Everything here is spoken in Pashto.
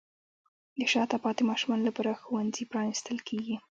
د شاته پاتې ماشومانو لپاره ښوونځي پرانیستل کیږي.